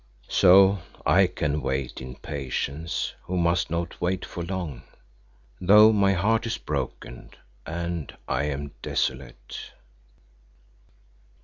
So I can wait in patience who must not wait for long, though my heart is broken and I am desolate.